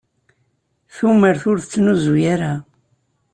Tumert ur tettnuzu ara.